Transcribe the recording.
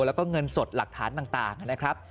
แล้วก็เงินสดหลักฐานต่างนะครับ